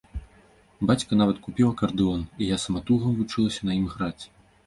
Бацька нават купіў акардэон, і я саматугам вучылася на ім граць.